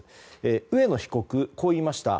上野被告、こう言いました。